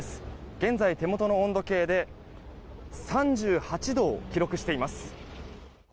現在、手元の温度計で３８度を記録しています。